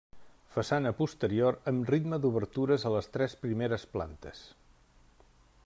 Façana posterior amb ritme d'obertures a les tres primeres plantes.